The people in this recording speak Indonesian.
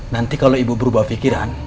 nanti kalau ibu berubah pikiran